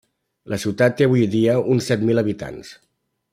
La ciutat té avui dia uns set mil habitants.